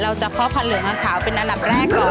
เราจะเพาะผันเหลืองหาขาวเป็นอันดับแรก